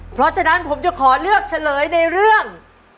เพราะฉะนั้นผมจะขอเลือกเฉลยในเรื่อง